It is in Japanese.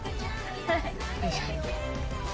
よいしょ。